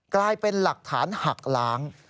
กลายเป็นหลักฐานหักล้าง